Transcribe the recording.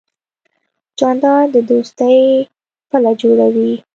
جانداد د دوستۍ پله جوړوي.